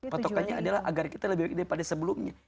patokannya adalah agar kita lebih baik daripada sebelumnya